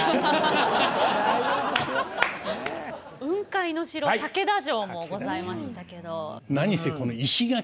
雲海の城竹田城もございましたけど。